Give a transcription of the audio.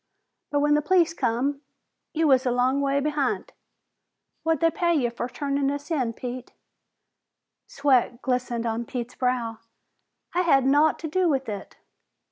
But when the police come, you was a long ways behin't. What'd they pay you fer turnin' us in, Pete?" Sweat glistened on Pete's brow. "I had naught to do with it!"